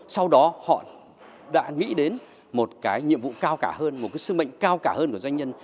sau đó họ đã nghĩ đến một cái nhiệm vụ cao cả hơn một cái sứ mệnh cao cả hơn của doanh nhân